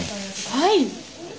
はい。